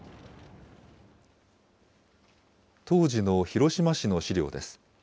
当時の広島市の資料です。